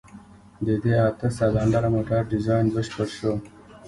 د دې اته سلنډره موټر ډيزاين بشپړ شو.